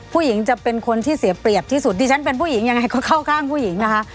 ผู้หญิงจะเป็นคนที่เสียเปรียบที่สุดดิฉันเป็นผู้หญิงยังไงก็เข้าข้างผู้หญิงนะคะ